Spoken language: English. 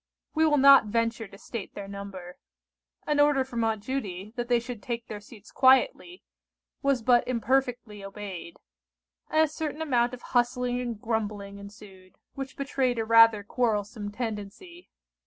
We will not venture to state their number. An order from Aunt Judy, that they should take their seats quietly, was but imperfectly obeyed; and a certain amount of hustling and grumbling ensued, which betrayed a rather quarrelsome tendency.